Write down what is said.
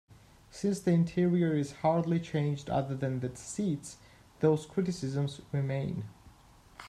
Since the interior is hardly changed other than the seats, those criticisms remain.